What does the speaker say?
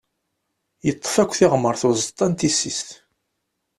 Yeṭṭef akk tiɣmert uẓeṭṭa n tissist.